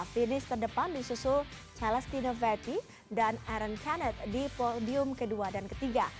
finish terdepan di susul celestino august dan aaron kened di podium kedua dan ketiga